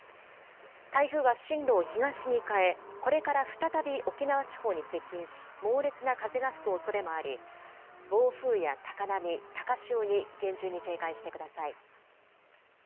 台風は進路を東に変え、これから再び沖縄地方に接近し、猛烈な風が吹くおそれもあり、暴風や高波、高潮に厳重に警戒してください。